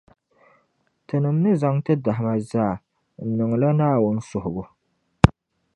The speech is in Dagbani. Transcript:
tinim’ ni zaŋ ti dahima zaa n-niŋla Naawuni suhibu.